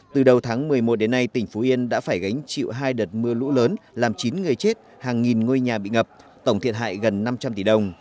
từ đầu tháng một mươi một đến nay tỉnh phú yên đã phải gánh chịu hai đợt mưa lũ lớn làm chín người chết hàng nghìn ngôi nhà bị ngập tổng thiệt hại gần năm trăm linh tỷ đồng